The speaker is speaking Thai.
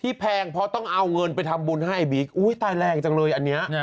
ที่แพงเพราะต้องเอาเงินไปทำบุญให้บีกตายแรงจังเลยอันเนี้ย